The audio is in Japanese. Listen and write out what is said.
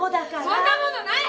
そんなものない！